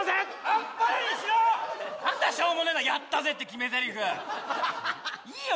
「あっぱれ！」にしろ何だしょうもねえな「やったぜ！」って決めぜりふいいよ